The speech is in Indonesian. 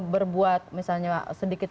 berbuat misalnya sedikit